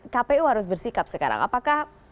kpu harus bersikap sekarang apakah